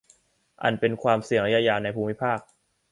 อันเป็นความเสี่ยงระยะยาวในภูมิภาค